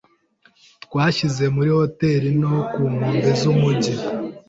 Twashyize muri hoteri nto ku nkombe z'umujyi.